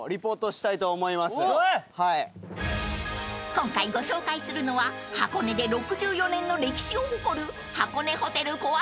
［今回ご紹介するのは箱根で６４年の歴史を誇る］